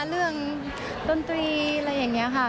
เรื่องดนตรีอะไรอย่างนี้ค่ะ